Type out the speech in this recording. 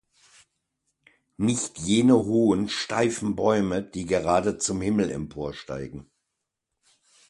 Nicht jene hohen steifen Bäume, die gerade zum Himmel emporsteigen.